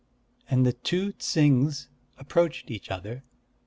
And the two Ts'ings approached each other.